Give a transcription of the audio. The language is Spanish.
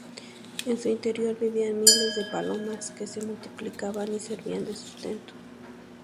En su interior vivían miles de palomas que se multiplicaban y servían de sustento.